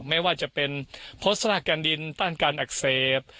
ไม่ว่าจะเป็นโฆษณาการดินต้านการอักเสบ